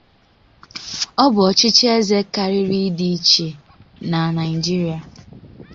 Ọ bų ochíchíeze kárírí Í di ichié na Nigeria.